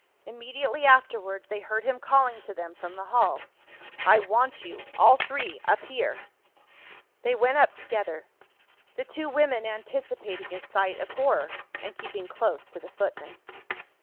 Immediately afterwards they heard him calling to them from the hall. "I want you, all three, up here." They went up together the two women anticipating a sight of horror, and keeping close to the footman.